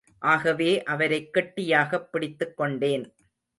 ஆகவே அவரைக் கெட்டியாகப் பிடித்துக்கொண்டேன்.